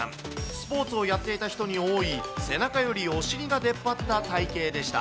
スポーツをやっていた人に多い、背中よりお尻が出っ張った体形でした。